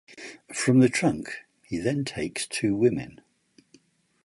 From the trunk he then takes two women.